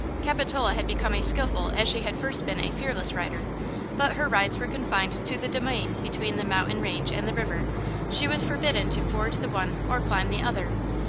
Capitola had become a skilful as she had first been a fearless rider. But her rides were confined to the domain between the mountain range and the river; she was forbidden to ford the one or climb the other.